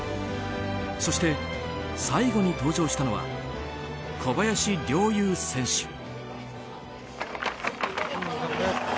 そして、最後に登場したのは小林陵侑選手。